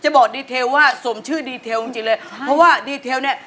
บอกดีเทลว่าสมชื่อดีเทลจริงจริงเลยเพราะว่าดีเทลเนี่ย